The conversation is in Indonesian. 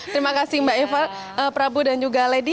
terima kasih mbak eva prabu dan juga lady